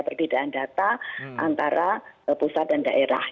perbedaan data antara pusat dan daerah